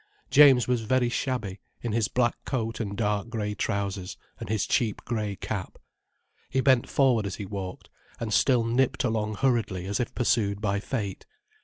James was very shabby, in his black coat and dark grey trousers, and his cheap grey cap. He bent forward as he walked, and still nipped along hurriedly, as if pursued by fate.